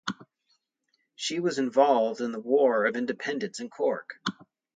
She was involved in the War of Independence in Cork.